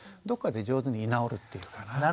どっかで上手に居直るっていうかな。